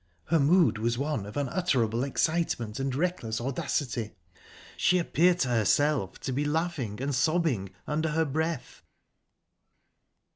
Her mood was one of unutterable excitement and reckless audacity; she appeared to herself to be laughing and sobbing under her breath...